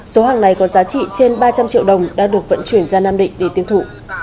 số hàng này có giá trị trên ba trăm linh triệu đồng đã được vận chuyển ra nam định để tiêu thụ